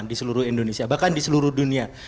di seluruh indonesia bahkan di seluruh dunia